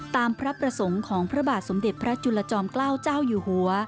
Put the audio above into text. พระประสงค์ของพระบาทสมเด็จพระจุลจอมเกล้าเจ้าอยู่หัว